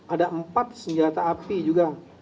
ada empat senjata api juga